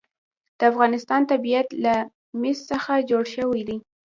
د افغانستان طبیعت له مس څخه جوړ شوی دی.